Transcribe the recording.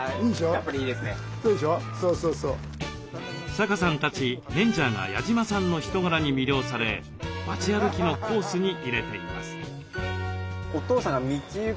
阪さんたちレンジャーが矢嶋さんの人柄に魅了され街歩きのコースに入れています。